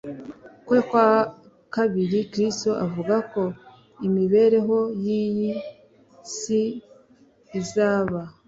kwe kwa kabiri Kristo avuga ko imibereho yiyi si izaba